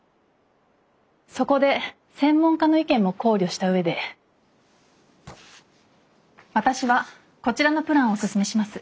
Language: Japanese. そこで専門家の意見も考慮した上で私はこちらのプランをおすすめします。